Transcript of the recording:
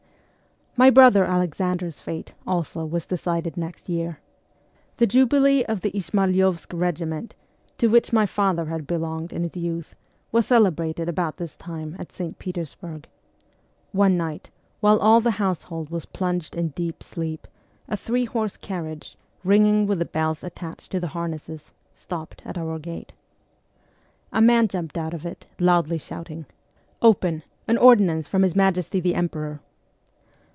My brother Alexander's fate, also, was decided next year. The jubilee of the Izmaylovsk regiment, to which my father had belonged in his youth, was cele brated about this time at St. Petersburg. One night, while all the household was plunged in deep sleep, a three horse carriage, ringing with the bells attached to the harnesses, stopped at our gate. A man jumped out of it, loudly shouting, ' Open ! An ordinance from his Majesty the Emperor.'